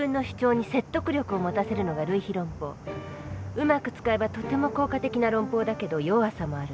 うまく使えばとても効果的な論法だけど弱さもある。